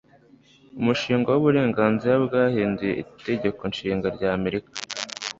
Umushinga w'uburenganzira bwahinduye Itegeko Nshinga rya Amerika.